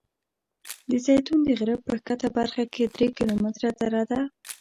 د زیتون د غره په ښکته برخه کې درې کیلومتره دره ده.